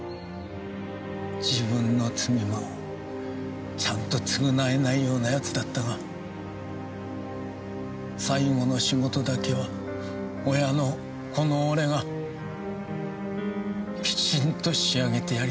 自分の罪もちゃんと償えないような奴だったが最後の仕事だけは親のこの俺がきちんと仕上げてやりたかった。